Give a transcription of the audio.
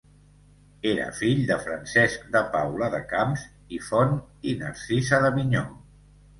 Era fill de Francesc de Paula de Camps i Font i Narcisa d'Avinyó.